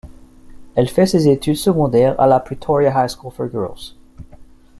Elle fait ses études secondaires à la Pretoria High School for Girls.